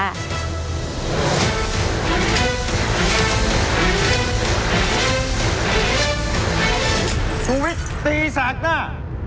ชุวิตตีสักหน้า